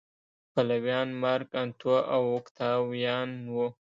پلویان مارک انتو او اوکتاویان و